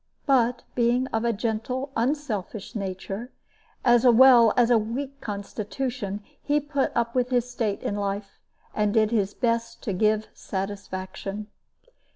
But being of a gentle, unselfish nature, as well as a weak constitution, he put up with his state in life, and did his best to give satisfaction.